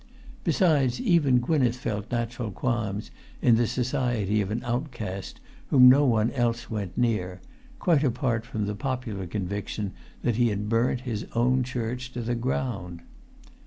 Besides, even Gwynneth felt natural qualms in the society of an outcast whom no one else went near, quite apart from the popular conviction that he had[Pg 272] burnt his own church to the ground.